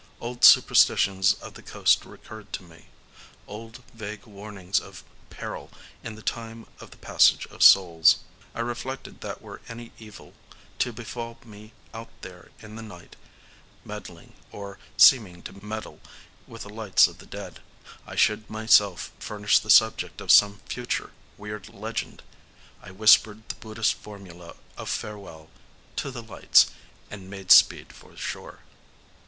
Old superstitions of the coast recurred to me,—old vague warnings of peril in the time of the passage of Souls. I reflected that were any evil to befall me out there in the night,—meddling, or seeming to meddle, with the lights of the Dead,—I should myself furnish the subject of some future weird legend…. I whispered the Buddhist formula of farewell—to the lights,—and made speed for shore.